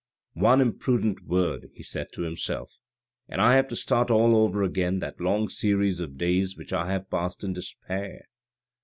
" One imprudent word," he said to himself, " and I have to start all over again that long series of days which I have passed in despair.